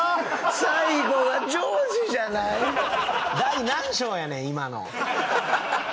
最後はジョージじゃない第何章やねん今のははは